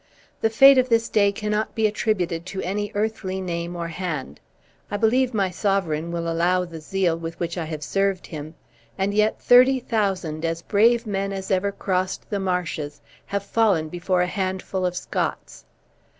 "The fate of this day cannot be attributed to any earthly name or hand. I believe my sovereign will allow the zeal with which I have served him; and yet thirty thousand as brave men as ever crossed the marshes, have fallen before a handful of Scots.